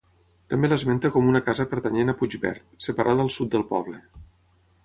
També l'esmenta com una casa pertanyent a Puigverd, separada al sud del poble.